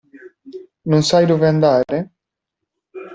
Non sai dove andare?